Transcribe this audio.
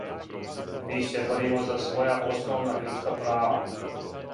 Ми се боримо за своја основна људска права.